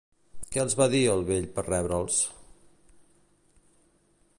Què els va dir el vell per rebre'ls?